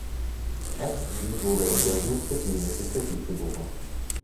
Espy wurde in Yazoo City, Mississippi, geboren.